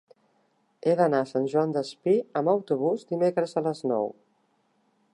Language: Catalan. He d'anar a Sant Joan Despí amb autobús dimecres a les nou.